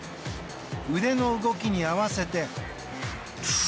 腕の動きに合わせて。